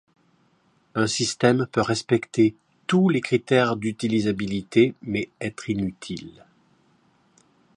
Un système peut respecter tous les critères d’utilisabilité mais être inutile.